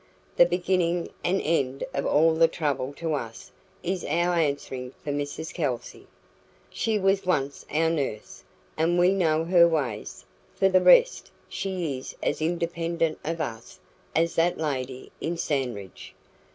"The beginning and end of all the trouble to us is our answering for Mrs Kelsey. She was once our nurse, and we know her ways; for the rest, she is as independent of us as that lady in Sandridge."